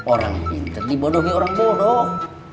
orang pinter dibodohi orang bodoh